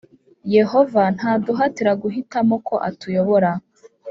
Yehova ntaduhatira guhitamo ko atuyobora